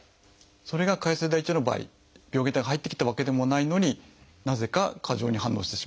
それが潰瘍性大腸炎の場合病原体が入ってきたわけでもないのになぜか過剰に反応してしまう。